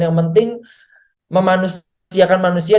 yang penting memanusiakan manusia